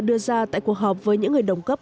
đưa ra tại cuộc họp với những người đồng cấp